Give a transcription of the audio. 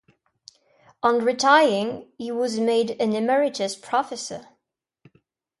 On retiring he was made an emeritus professor.